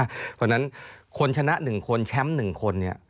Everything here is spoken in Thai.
เพราะฉะนั้นคนชนะ๑คนแชมป์๑คนเนี่ย